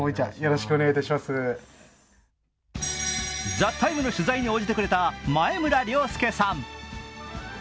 「ＴＨＥＴＩＭＥ，」の取材に応じてくれた前村良佑さん。